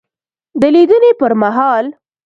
دلیدني پر مهال